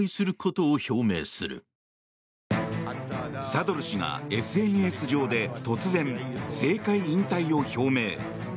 サドル師がＳＮＳ上で突然、政界引退を表明。